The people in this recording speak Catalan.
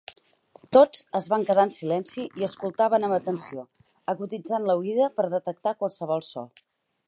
Tots es van quedar en silenci i escoltaven amb atenció, aguditzant la oïda per detectar qualsevol so.